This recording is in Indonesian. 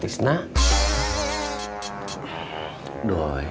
ya harus ditanya dulu kang tisna